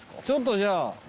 ちょっとじゃあ。